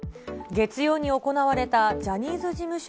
月曜に行われたジャニーズ事務所